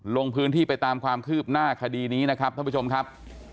ลงพื้นที่ไปตามความคืบหน้าคดีนี้นะครับท่านผู้ชมครับ